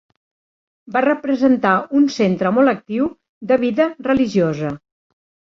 Va representar un centre molt actiu de vida religiosa.